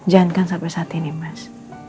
jangankan sampai saat ini mas